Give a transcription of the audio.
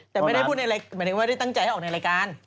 แต่ไม่ได้พูดอะไรหมายถึงว่าได้ตั้งใจให้ออกในรายการ